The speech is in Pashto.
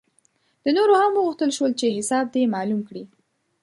له نورو هم وغوښتل شول چې حساب دې معلوم کړي.